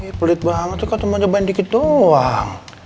ih pelit banget tuh kamu coba cobain dikit doang